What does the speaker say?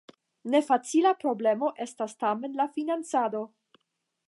Ne facila problemo estas tamen la financado.